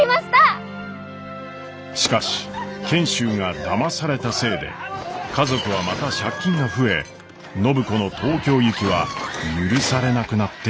しかし賢秀がだまされたせいで家族はまた借金が増え暢子の東京行きは許されなくなってしまいました。